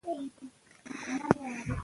موخې د علم د معیار ارزښت لري.